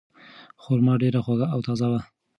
خورما ډیره خوږه او تازه وه.